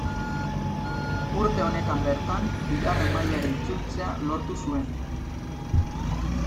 Urte honetan bertan bigarren mailara itzultzea lortu zuen.